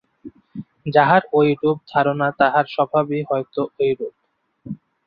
যাহার ঐরূপ ধারণা তাহার স্বভাবই হয়তো ঐরূপ।